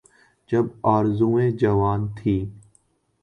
جب آرزوئیں جوان تھیں۔